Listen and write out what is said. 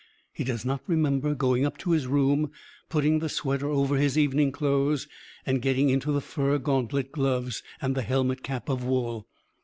He does not remember going up to his room, putting the sweater over his evening clothes, and getting into the fur gauntlet gloves and the helmet cap of wool.